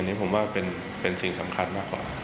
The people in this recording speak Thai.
อันนี้ผมว่าเป็นสิ่งสำคัญมากกว่า